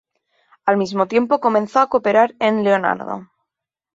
Al mismo tiempo comenzó a cooperar en "Leonardo".